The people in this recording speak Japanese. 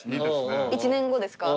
１年後ですか？